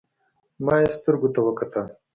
ما يې سترګو ته وکتل.